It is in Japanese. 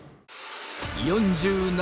４７